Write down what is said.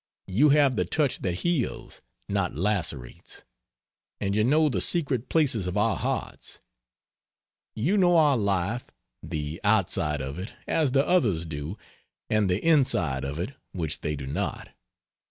You have the touch that heals, not lacerates. And you know the secret places of our hearts. You know our life the outside of it as the others do and the inside of it which they do not.